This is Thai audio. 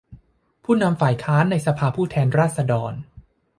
ผู้นำฝ่ายค้านในสภาผู้แทนราษฎร